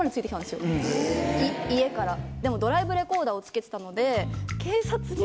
家からでもドライブレコーダーを付けてたので。